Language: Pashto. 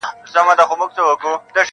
زما اوزگړي زما پسونه دي چیچلي-